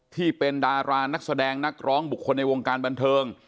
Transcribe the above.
ที่เป็นดารานักแสดงนักร้องบุคคลในวงการบันเทิง